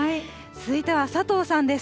続いては佐藤さんです。